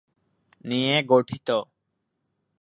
নিয়ে গঠিত।